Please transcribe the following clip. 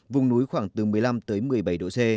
vùng núi khoảng từ một mươi năm một mươi bảy độ c